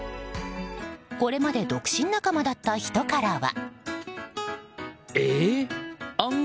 これまで独身仲間だった人からは。